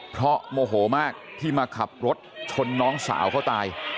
เพราะโมโหมากที่มาขับรถชนน้องสาวเขาตาย